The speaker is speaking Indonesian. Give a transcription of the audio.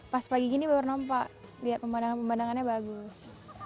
pas pagi gini baru nampak lihat pemandangan pemandangannya bagus